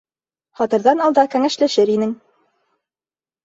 Һатырҙан алда кәңәшләшер инең!